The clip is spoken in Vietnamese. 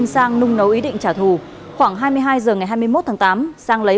xin chào và hẹn gặp lại